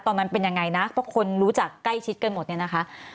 ตอนนั้นเป็นยังไงนะเพราะคนรู้จักใกล้ชิดกันหมดเนี่ยนะคะ